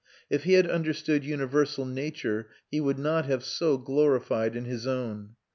If he had understood universal nature, he would not have so glorified in his own.